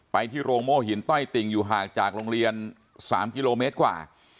ไปที่โรงโม่หินต้อยติ่งอยู่ห่างจากโรงเรียน๓กิโลเมตรกว่า